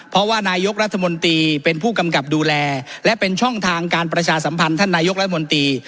เพราะว่านายกรัฐมนตรีเป็นผู้กำกับดูแลและเป็นช่องทางการประชาสัมพันธ์ท่านนายกรัฐมนตรี